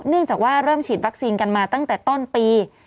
เนื่องจากว่าเริ่มฉีดวัคซีนกันมาตั้งแต่ต้นปี